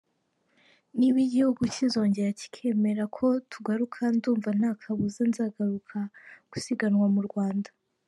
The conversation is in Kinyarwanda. Niba igihugu cyizongera kikemera ko tugaruka ndumva nta kabuza nzagaruka gusiganwa mu Rwanda.